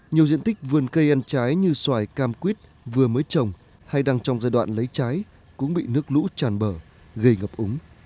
nhiều diện tích vườn cây ăn trái như xoài cam quýt vừa mới trồng hay đang trong giai đoạn lấy trái cũng bị nước lũ tràn bờ gây ngập úng